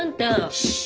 シッ。